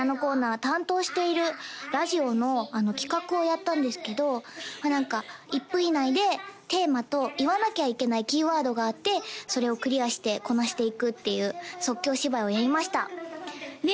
担当しているラジオの企画をやったんですけど何か１分以内でテーマと言わなきゃいけないキーワードがあってそれをクリアしてこなしていくっていう即興芝居をやりましたねえ